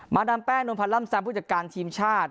ดามแป้งนวลพันธ์ล่ำแซมผู้จัดการทีมชาติ